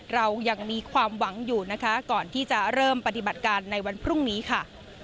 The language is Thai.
เรายังมีความหวังอยู่นะคะก่อนที่จะเริ่มปฏิบัติการในวันพรุ่งนี้ค่ะ